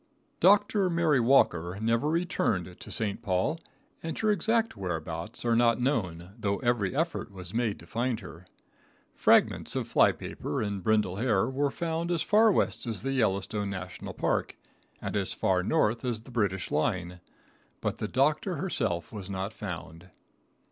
Dr. Mary Walker never returned to St. Paul, and her exact whereabouts are not known, though every effort was made to find her. Fragments of flypaper and brindle hair were found as far west as the Yellowstone National Park, and as far north as the British line, but the doctor herself was not found.